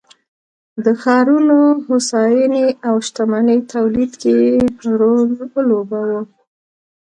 د ښارونو هوساینې او شتمنۍ تولید کې یې رول ولوباوه